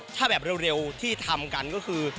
ถ้าแบบเร็วที่ทำกันก็คือ